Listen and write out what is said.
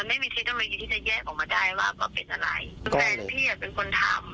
มันไม่มีทฤษฐรีที่จะแยกออกมาได้ว่าว่าเป็นอะไรแฟนพี่อ่ะเป็นคนทำ